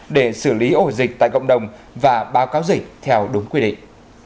để xử lý ổ dịch tại cộng đồng và báo cáo dịch theo đúng quy định